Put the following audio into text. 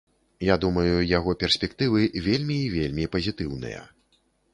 Я думаю, яго перспектывы вельмі і вельмі пазітыўныя.